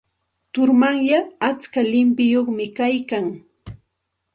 Turumanyay atska llimpiyuqmi kaykan.